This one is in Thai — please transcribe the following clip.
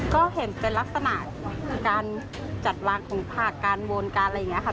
ก็เห็นเป็นลักษณะการจัดวางของผักการวนการอะไรอย่างนี้ค่ะ